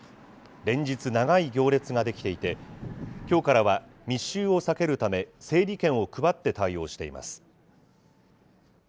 連日、長い行列が出来ていて、きょうからは密集を避けるため、整理券を配って対応しています。